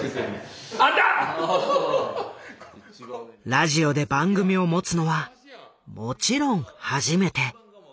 ラジオで番組を持つのはもちろん初めて。